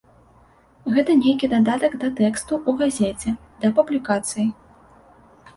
Гэта нейкі дадатак да тэксту ў газеце, да публікацый.